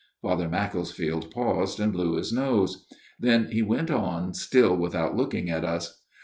Father Macclesfield paused and blew his nose. Then he went on still without looking at us.